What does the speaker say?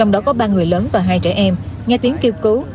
đứa đứa lớn và hai trẻ em nghe tiếng kêu cứu